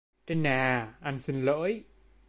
Trinh à anh xin lỗi